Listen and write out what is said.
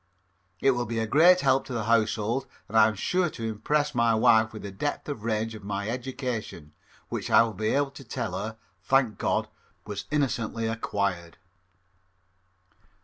It will be a great help to the household and I am sure impress my wife with the depth and range of my education, which I will be able to tell her, thank God, was innocently acquired.